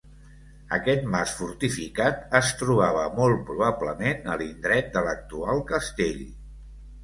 Aquest mas fortificat es trobava molt probablement a l'endret de l'actual castell.